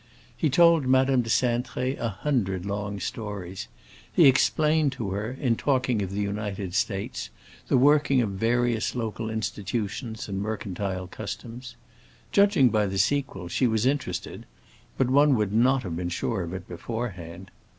He told Madame de Cintré a hundred long stories; he explained to her, in talking of the United States, the working of various local institutions and mercantile customs. Judging by the sequel she was interested, but one would not have been sure of it beforehand.